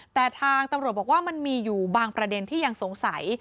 แต่ทางตำรวจบอกว่ามันมีอยู่บางประเด็นที่ยังสงสัย